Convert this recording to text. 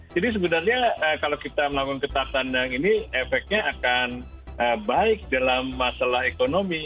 jadi sebenarnya kalau kita melakukan ketatanan ini efeknya akan baik dalam masalah ekonomi